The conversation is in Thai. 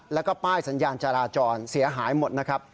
แล้วก็ป้ายสัญญาณจราจรเสียหายหมดนะครับ